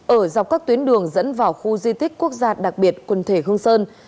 ở dọc các tuyến đường dẫn vào khu di tích quốc gia đặc biệt quần thể hương sơn